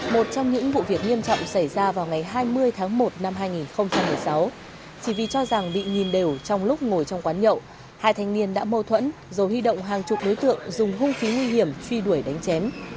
một trong những vụ việc nghiêm trọng xảy ra vào ngày hai mươi tháng một năm hai nghìn một mươi sáu chỉ vì cho rằng bị nhìn đều trong lúc ngồi trong quán nhậu hai thanh niên đã mâu thuẫn rồi huy động hàng chục đối tượng dùng hung khí nguy hiểm truy đuổi đánh chém